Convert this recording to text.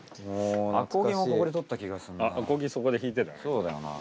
そうだよな。